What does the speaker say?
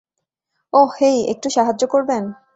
ওহ, hey একটু সাহায্য করবেন?